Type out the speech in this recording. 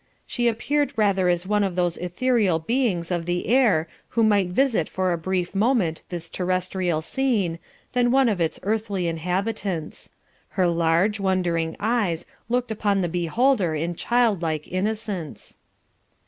she appeared rather as one of those ethereal beings of the air who might visit for a brief moment this terrestrial scene, than one of its earthly inhabitants. Her large, wondering eyes looked upon the beholder in childlike innocence."